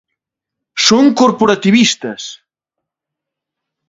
Son corporativistas.